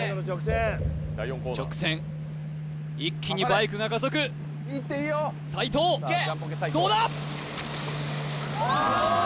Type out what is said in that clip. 直線一気にバイクが加速斉藤どうだ？